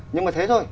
nhưng mà thế thôi